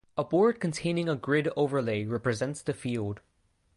A board containing a grid overlay represents the field.